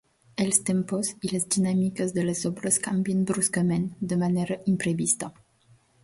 Els tempos i les dinàmiques de les obres canvien bruscament, de manera imprevista.